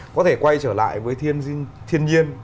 có thể quay trở lại với thiên nhiên